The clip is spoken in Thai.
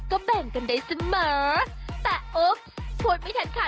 ชั้นจะไม่ไหวล่ะ